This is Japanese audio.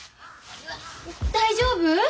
大丈夫？